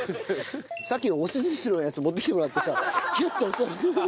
さっきの押し寿司のやつ持ってきてもらってさギュッて押して。